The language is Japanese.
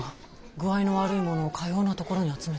具合の悪い者をかようなところに集めて。